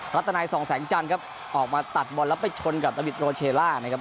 รัฐนายส่องแสงจันทร์ครับออกมาตัดบอลแล้วไปชนกับดาบิดโรเชลล่านะครับ